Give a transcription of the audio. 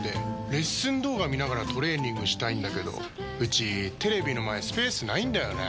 レッスン動画見ながらトレーニングしたいんだけどうちテレビの前スペースないんだよねー。